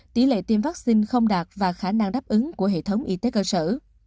tỷ lệ tiêm vaccine không đạt và khả năng đáp ứng của hệ thống y tế cơ sở